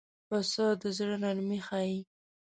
پسه د زړه نرمي ښيي.